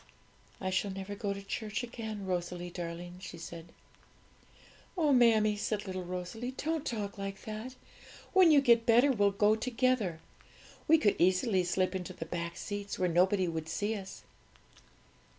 'I shall never go to church again, Rosalie darling,' she said. 'Oh, mammie,' said little Rosalie, 'don't talk like that! When you get better, we'll go together. We could easily slip into the back seats, where nobody would see us.'